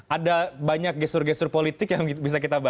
ada banyak gestur gestur politik yang bisa kita bahas